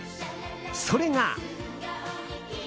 それが。